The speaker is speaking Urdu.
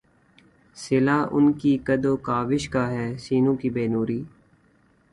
صلہ ان کی کد و کاوش کا ہے سینوں کی بے نوری